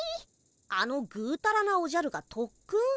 あのぐうたらなおじゃるがとっくん？